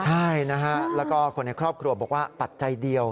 ใช่นะฮะแล้วก็คนในครอบครัวบอกว่าปัจจัยเดียว